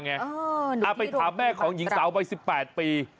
อัฐไปขาบแม่ของหญิงสาวไป๑๘ปี